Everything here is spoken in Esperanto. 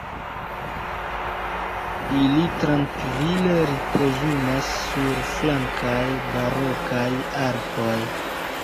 Ili trankvile ripozumas sur flankaj barokaj arkoj.